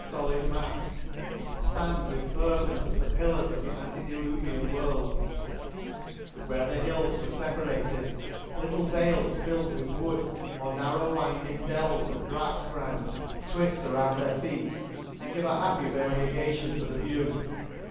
13$ in one folid mafs, ftand with firmnefs as the pillars of the antediluvian world* — Where the hills were feparated, little vales filled with wood, or narrow wind ing dells of grafs ground, twift around their feet, and give a happy variegation to the view.